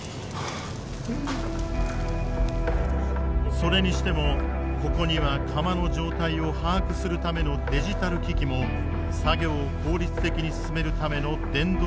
それにしてもここには釜の状態を把握するためのデジタル機器も作業を効率的に進めるための電動工具もない。